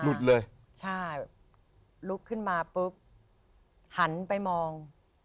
ลุกขึ้นมาปุ๊บหันไปมอง